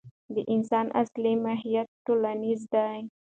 د انسان اصلي ماهیت ټولنیز دی.